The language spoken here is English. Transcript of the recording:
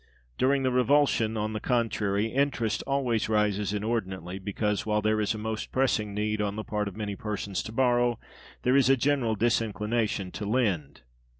During the revulsion, on the contrary, interest always rises inordinately, because, while there is a most pressing need on the part of many persons to borrow, there is a general disinclination to lend.